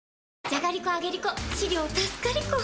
じゃがりこ、あげりこ！